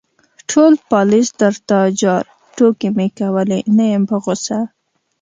_ټول پالېز تر تا جار، ټوکې مې کولې، نه يم په غوسه.